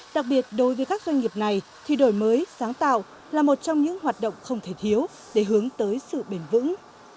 đặc biệt đối với các doanh nghiệp này thì đổi mới sáng tạo là một trong những hoạt động không thể thiếu để hướng tới sự bền vững